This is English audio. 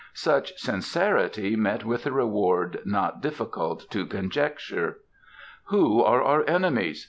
Such sincerity met with the reward not difficult to conjecture. "Who are our enemies?"